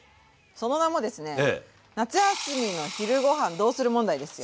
その名もですね夏休みの昼ごはんどうする問題ですよ。